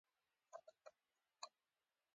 هغه ډاډ ورکړ چې فارویک به ډیر پښیمانه شي